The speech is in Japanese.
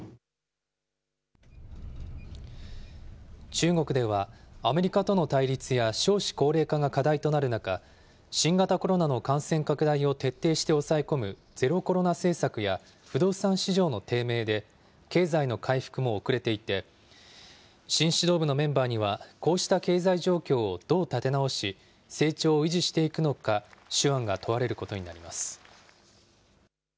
中国では、アメリカとの対立や少子高齢化が課題となる中、新型コロナの感染拡大を徹底して抑え込むゼロコロナ政策や不動産市場の低迷で、経済の回復も遅れていて、新指導部のメンバーには、こうした経済状況をどう立て直し、成長を維持していくのか手腕が問われることになります。